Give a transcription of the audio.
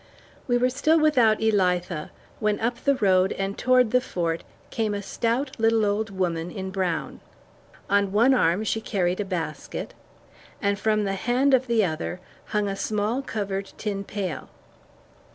We were still without Elitha, when up the road and toward the Fort came a stout little old woman in brown. On one arm she carried a basket, and from the hand of the other hung a small covered tin pail.